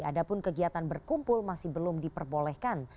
adapun kegiatan berkumpul masih belum diperbolehkan